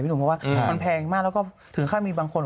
พี่หนุ่มกลัวว่ามันแพงมากแล้วก็ถึงขาดมีบางคน